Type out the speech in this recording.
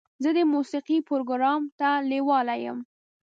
زه د موسیقۍ پروګرام ته لیواله یم.